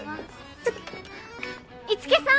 ちょっと樹さん！